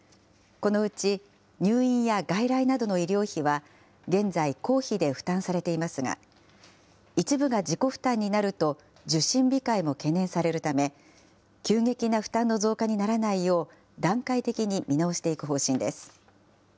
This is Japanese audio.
このうち入院や外来などの医療費は、現在、公費で負担されていますが、一部が自己負担になると受診控えも懸念されるため、急激な負担の増加にならないよう、段階的に見直していく方針です。